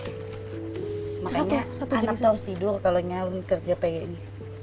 makanya anaknya harus tidur kalau kerja kayak gini